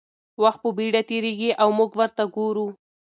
وخت په بېړه تېرېږي او موږ ورته ګورو.